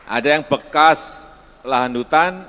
ada yang bekas lahan hutan